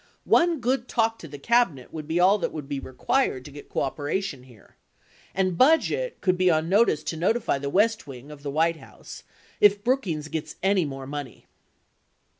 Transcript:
One good talk to the Cabinet would be all that would be required to get cooperation here — and Budget could be on notice to notify the West Wing [of the White House] if Brookings gets any more money.